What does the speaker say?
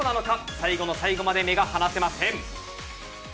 最後の最後まで目が離せません。